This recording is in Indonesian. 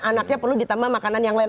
anaknya perlu ditambah makanan yang lain